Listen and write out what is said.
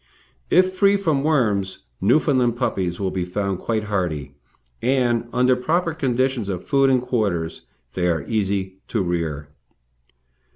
If free from worms, Newfoundland puppies will be found quite hardy, and, under proper conditions of food and quarters, they are easy to rear.